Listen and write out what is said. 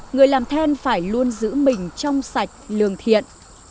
người làm then phải luôn giữ mình trong sạch lường thiện